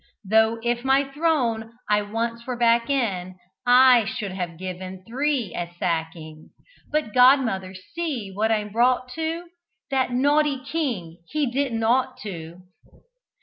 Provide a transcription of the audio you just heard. Tho' if my throne I once were back in I should have given three a "sacking" But, godmother, see what I'm brought to! That naughty king! he didn't ought to!"